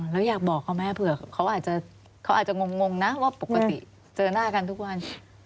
แล้วอยากบอกเขาไหมเผื่อเขาอาจจะเขาอาจจะงงนะว่าปกติเจอหน้ากันทุกวัน